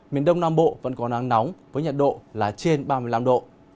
miền đông nam bộ vẫn có nắng nóng với nhiệt độ là trên ba mươi năm độ